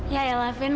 ya ya lah fien